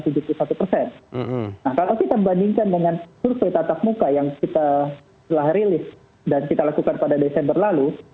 nah kalau kita bandingkan dengan survei tatap muka yang kita telah rilis dan kita lakukan pada desember lalu